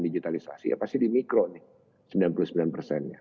digitalisasi ya pasti di mikro nih sembilan puluh sembilan persennya